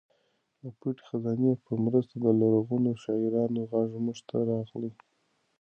د پټې خزانې په مرسته د لرغونو شاعرانو غږ موږ ته راغلی.